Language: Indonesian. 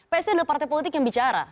psi adalah partai politik yang bicara